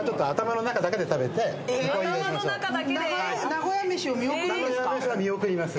名古屋めしは見送ります